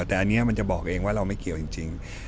แต่อันนี้มันจะบอกเองว่าเราไม่เกี่ยวจริง